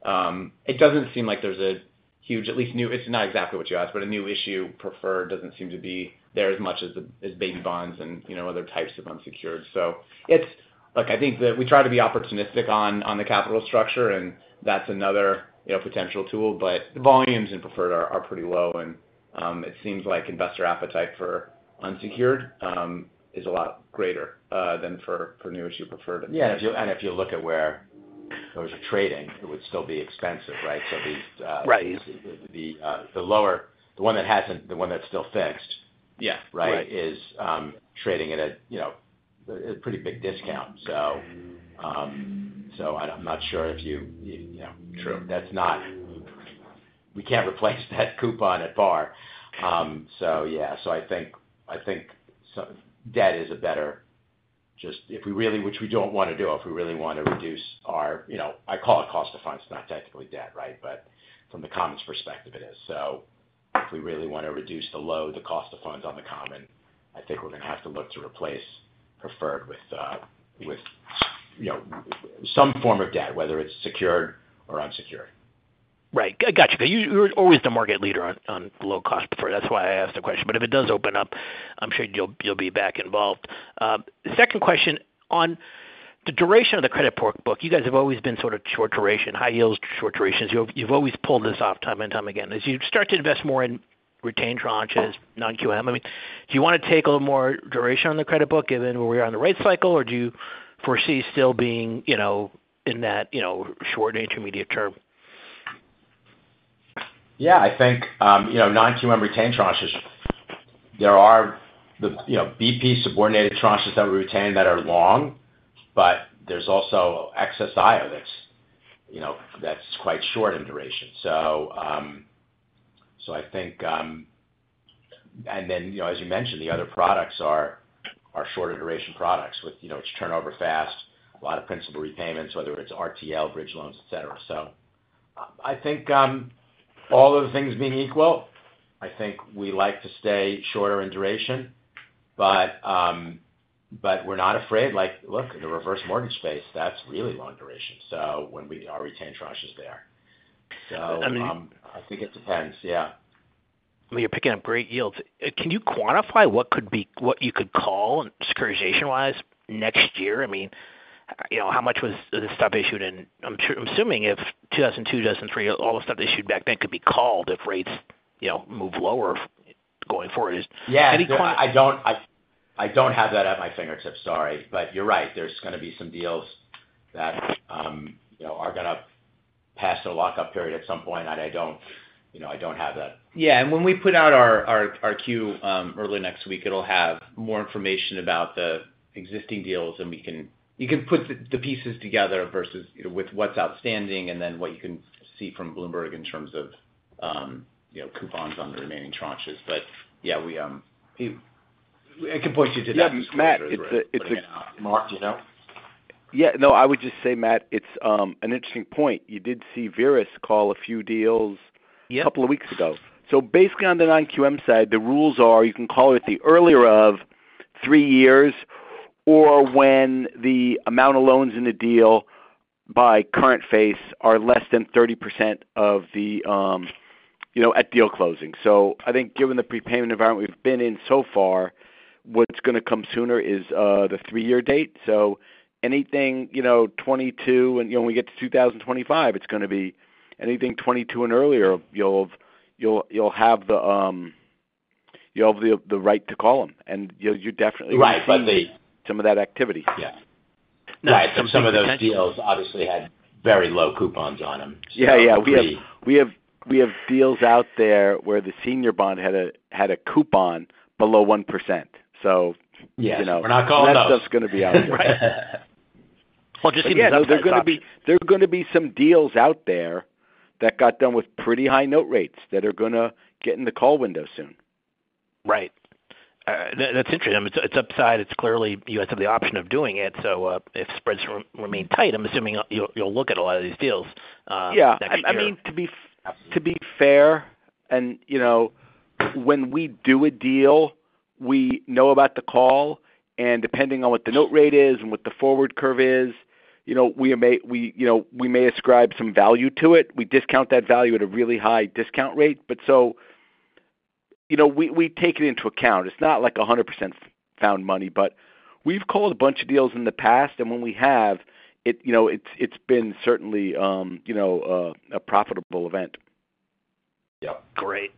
it doesn't seem like there's a huge. It's not exactly what you asked, but a new issue preferred doesn't seem to be there as much as baby bonds and other types of unsecured. So I think that we try to be opportunistic on the capital structure, and that's another potential tool. But the volumes in preferred are pretty low. And it seems like investor appetite for unsecured is a lot greater than for new issue preferred. Yeah. And if you look at where those are trading, it would still be expensive, right? So the lower the one that hasn't the one that's still fixed, right, is trading at a pretty big discount. So I'm not sure if you. True. That's not. We can't replace that coupon at par. So yeah. So I think debt is a better just if we really which we don't want to do if we really want to reduce our, I call it, cost of funds. It's not technically debt, right? But from the common's perspective, it is, so if we really want to reduce lower the cost of funds on the common, I think we're going to have to look to replace preferred with some form of debt, whether it's secured or unsecured. Right. I got you. You're always the market leader on low cost preferred. That's why I asked the question. But if it does open up, I'm sure you'll be back involved. Second question. On the duration of the credit book, you guys have always been sort of short duration, high yield, short durations. You've always pulled this off time and time again. As you star t to invest more in retained tranches, non-QM, I mean, do you want to take a little more duration on the credit book given where we are on the rate cycle, or do you foresee still being in that short intermediate term? Yeah. I think non-QM retained tranches, there are BP subordinated tranches that we retain that are long, but there's also excess IO that's quite short in duration. So I think and then, as you mentioned, the other products are shorter duration products with which turnover fast, a lot of principal repayments, whether it's RTL, bridge loans, etc. So I think all of the things being equal, I think we like to stay shorter in duration, but we're not afraid. Look, in the reverse mortgage space, that's really long duration. So when we are retained tranches there. So I think it depends. Yeah. You're picking up great yields. Can you quantify what you could call securitization-wise next year? I mean, how much was this stuff issued in, I'm assuming, 2002, 2003? All the stuff issued back then could be called if rates move lower going forward. Yeah. I don't have that at my fingertips, sorry. But you're right. There's going to be some deals that are going to pass their lockup period at some point. And I don't have that. Yeah. When we put out our 10-Q early next week, it'll have more information about the existing deals. You can put the pieces together versus with what's outstanding and then what you can see from Bloomberg in terms of coupons on the remaining tranches. Yeah, I can point you to that. Yeah. It's Matt, isn't it? Yeah. No, I would just say, Matt, it's an interesting point. You did see Verus call a few deals a couple of weeks ago. So basically, on the non-QM side, the rules are you can call it the earlier of three years or when the amount of loans in the deal by current face are less than 30% of the at deal closing. So I think given the prepayment environment we've been in so far, what's going to come sooner is the three-year date. So anything 2022, and when we get to 2025, it's going to be anything 2022 and earlier, you'll have the right to call them. And you're definitely. Right. But the. Some of that activity. Yeah. Right. Some of those deals obviously had very low coupons on them. Yeah. Yeah. We have deals out there where the senior bond had a coupon below 1%. So that stuff's going to be out there. Yeah. We're not calling those. Right. Well, just give me a sense of that. There's going to be some deals out there that got done with pretty high note rates that are going to get in the call window soon. Right. That's interesting. It's upside. It's clearly you guys have the option of doing it. So if spreads remain tight, I'm assuming you'll look at a lot of these deals. Yeah. I mean, to be fair, and when we do a deal, we know about the call. And depending on what the note rate is and what the forward curve is, we may ascribe some value to it. We discount that value at a really high discount rate. But so we take it into account. It's not like 100% found money, but we've called a bunch of deals in the past. And when we have, it's been certainly a profitable event. Yep. Great.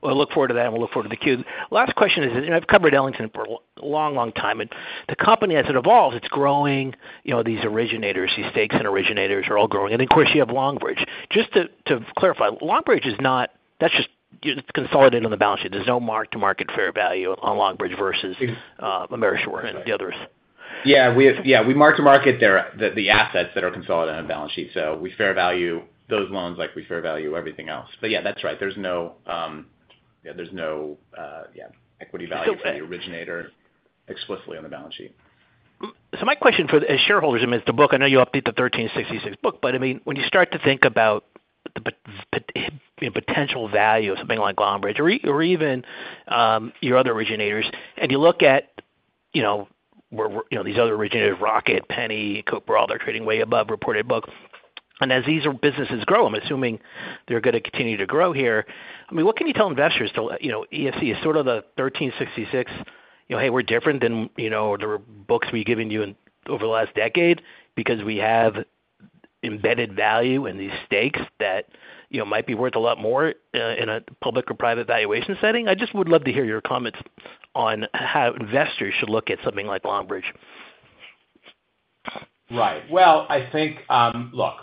Well, look forward to that. And we'll look forward to the queue. Last question is, I've covered Ellington for a long, long time. And the company, as it evolves, it's growing these originators. These stakes in originators are all growing. And of course, you have Longbridge. Just to clarify, Longbridge is not. That's just consolidated on the balance sheet. There's no mark-to-market fair value on Longbridge versus LendSure and the others. Yeah. Yeah. We mark-to-market the assets that are consolidated on the balance sheet. So we fair value those loans like we fair value everything else. But yeah, that's right. There's no equity value for the originator explicitly on the balance sheet. So my question for the shareholders is, I mean, it's the book. I know you update the book. But I mean, when you star t to think about the potential value of something like Longbridge or even your other originators, and you look at these other originators, Rocket, Penny, Cooper, all they're trading way above reported book. And as these businesses grow, I'm assuming they're going to continue to grow here. I mean, what can you tell investors to assess is sort of the book, "Hey, we're different than the books we've given you over the last decade because we have embedded value in these stakes that might be worth a lot more in a public or private valuation setting." I just would love to hear your comments on how investors should look at something like Longbridge. Right. Well, I think, look,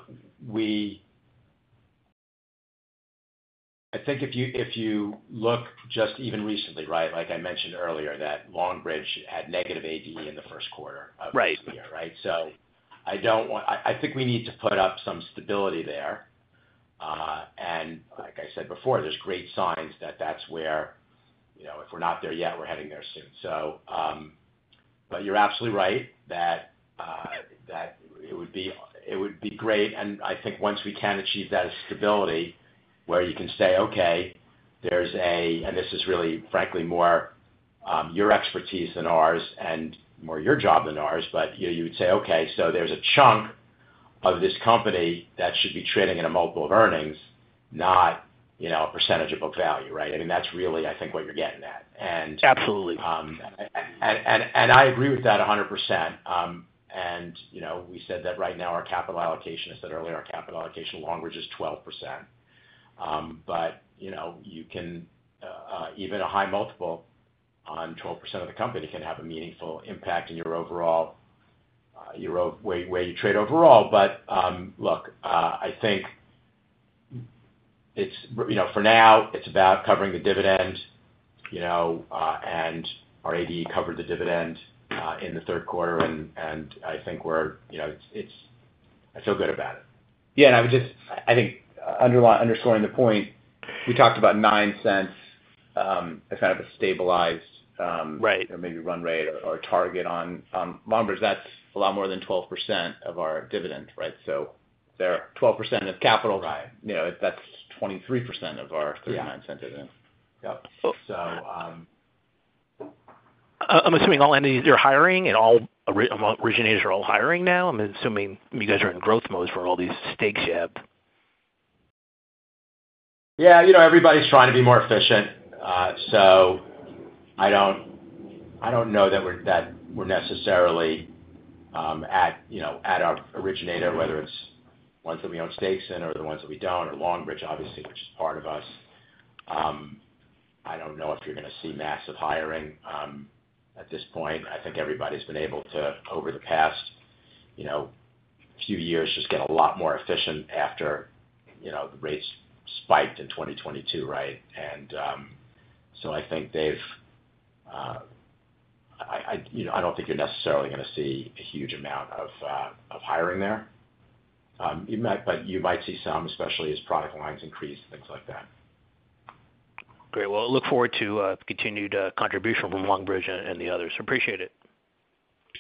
I think if you look just even recently, right, like I mentioned earlier, that Longbridge had negative ADE in the first quarter of this year, right? So I think we need to put up some stability there. And like I said before, there's great signs that that's where if we're not there yet, we're heading there soon. But you're absolutely right that it would be great. And I think once we can achieve that stability where you can say, "Okay, there's a" and this is really, frankly, more your expertise than ours and more your job than ours. But you would say, "Okay, so there's a chunk of this company that should be trading in a multiple of earnings, not a percentage of book value," right? I mean, that's really, I think, what you're getting at. And. Absolutely. And I agree with that 100%. And we said that right now our capital allocation is that earlier our capital allocation Longbridge is 12%. But you can even a high multiple on 12% of the company can have a meaningful impact in your overall way you trade overall. But look, I think for now, it's about covering the dividend. And our ADE covered the dividend in the third quarter. And I think I feel good about it. Yeah. And I would just, I think, underscoring the point, we talked about $0.09 as kind of a stabilized maybe run rate or target on Longbridge. That's a lot more than 12% of our dividend, right? So 12% of capital, that's 23% of our $0.39 dividend. Yep. So I'm assuming all entities are hiring and all originators are all hiring now. I'm assuming you guys are in growth mode for all these stakes you have. Yeah. Everybody's trying to be more efficient. So I don't know that we're necessarily at our originators, whether it's ones that we own stakes in or the ones that we don't or Longbridge, obviously, which is part of us. I don't know if you're going to see massive hiring at this point. I think everybody's been able to, over the past few years, just get a lot more efficient after the rates spiked in 2022, right? And so I think they've. I don't think you're necessarily going to see a huge amount of hiring there. But you might see some, especially as product lines increase and things like that. Great. Well, look forward to continued contribution from Longbridge and the others. Appreciate it.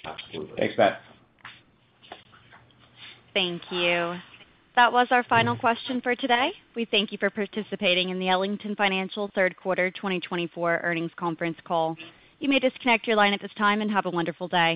Absolutely. Thanks, Matt. Thank you. That was our final question for today. We thank you for participating in the Ellington Financial Third Quarter 2024 Earnings Conference call. You may disconnect your line at this time and have a wonderful day.